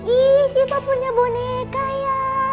ih siapa punya boneka ya